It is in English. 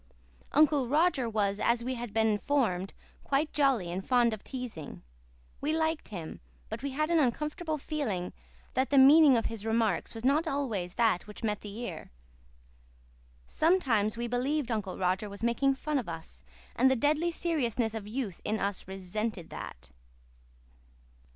Uncle Roger was, as we had been informed, quite jolly and fond of teasing. We liked him; but we had an uncomfortable feeling that the meaning of his remarks was not always that which met the ear. Sometimes we believed Uncle Roger was making fun of us, and the deadly seriousness of youth in us resented that.